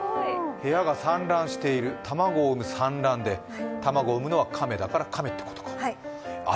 部屋が散乱している、卵を産む産卵で卵を産むのは亀だから亀と。